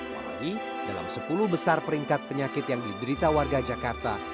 apalagi dalam sepuluh besar peringkat penyakit yang diderita warga jakarta